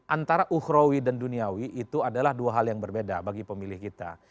antara uhrawi dan duniawi itu adalah dua hal yang berbeda bagi pemilih kita